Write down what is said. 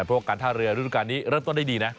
เพราะว่าการท่าเรือเริ่มต้นได้ดีนะ